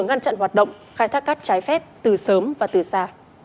ngăn chặn hoạt động khai thác cát trái phép từ sớm và từ xa